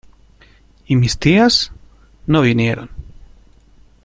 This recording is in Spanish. ¿Y mis tías? no vinieron.